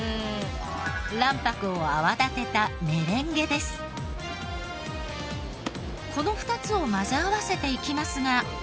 卵白を泡立てたこの２つを混ぜ合わせていきますが。